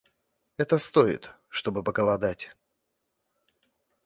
Это стоит, чтобы поголодать.